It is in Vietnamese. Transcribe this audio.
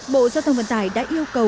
bộ giao thông vận tải đã yêu cầu